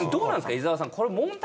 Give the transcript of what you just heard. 伊沢さん。